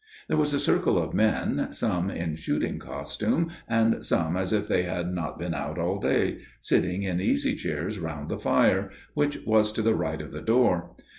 "There was a circle of men, some in shooting costume, and some as if they had not been out all day, sitting in easy chairs round the fire, which was to the right of the door.